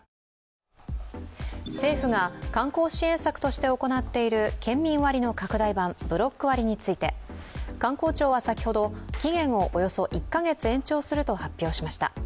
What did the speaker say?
政府が観光支援策として行っている県民割の拡大版、ブロック割について観光庁は先ほど、期限をおよそ１カ月延長すると発表しました。